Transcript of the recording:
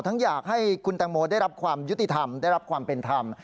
อยากให้คุณแตงโมได้รับความยุติธรรมได้รับความเป็นธรรม